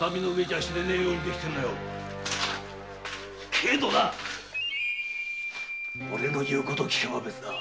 けどなオレの言う事を聞けば別だ。